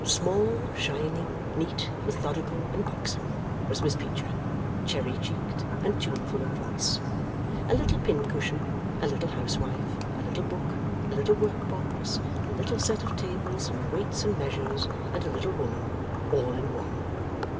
Small, shining, neat, methodical, and buxom was Miss Peecher; cherry cheeked and tuneful of voice. A little pincushion, a little housewife, a little book, a little workbox, a little set of tables and weights and measures, and a little woman, all in one.